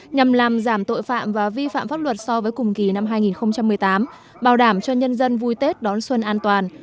nhằm làm giảm tội phạm và vi phạm pháp luật so với cùng kỳ năm hai nghìn một mươi tám bảo đảm cho nhân dân vui tết đón xuân an toàn